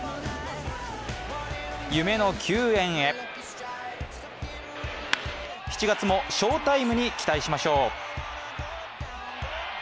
夢の球宴へ、７月も翔タイムに期待しましょう。